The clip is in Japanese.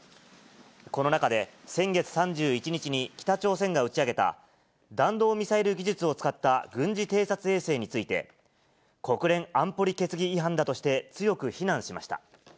この中で、先月３１日に北朝鮮が打ち上げた、弾道ミサイル技術を使った軍事偵察衛星について、国連安保理決議違反だとして強く非難しました。